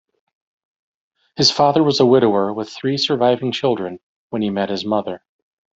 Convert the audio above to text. His father was a widower with three surviving children when he met his mother.